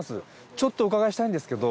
ちょっとお伺いしたいんですけど。